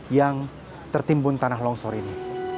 yang tertimbun tanah longsor ini